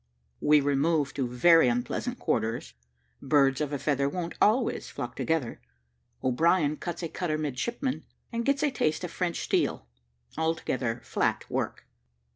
WE REMOVE TO VERY UNPLEASANT QUARTERS BIRDS OF A FEATHER WON'T ALWAYS FLOCK TOGETHER O'BRIEN CUTS A CUTTER MIDSHIPMAN, AND GETS A TASTE OF FRENCH STEEL ALTOGETHER "FLAT" WORK.